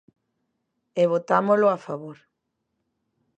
E votámolo a favor.